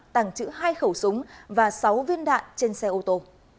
tàng trữ hai khẩu súng và sáu viên đạn trên xe ô tô